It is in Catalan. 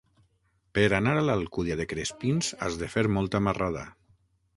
Per anar a l'Alcúdia de Crespins has de fer molta marrada.